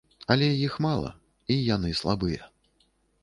Але іх мала і яны слабыя.